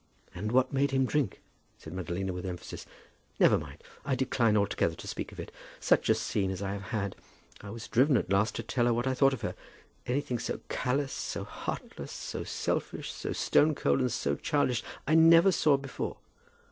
"And what made him drink?" said Madalina with emphasis. "Never mind. I decline altogether to speak of it. Such a scene as I have had! I was driven at last to tell her what I thought of her. Anything so callous, so heartless, so selfish, so stone cold, and so childish, I never saw before!